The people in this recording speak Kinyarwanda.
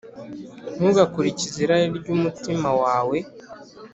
ntugakurikize irari ry’umutima wawe